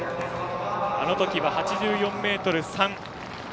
あのときは、８４ｍ３。